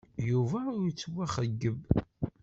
Yuba ur yettwaxeyyeb.